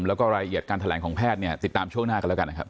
แล้วก็รายละเอียดการแถลงของแพทย์เนี่ยติดตามช่วงหน้ากันแล้วกันนะครับ